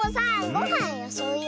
ごはんよそうよ。